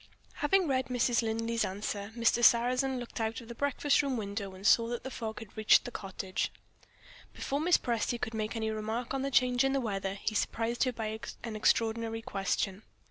Having read Mrs. Linley's answer, Mr. Sarrazin looked out of the breakfast room window, and saw that the fog had reached the cottage. Before Mrs. Presty could make any remark on the change in the weather, he surprised her by an extraordinary question.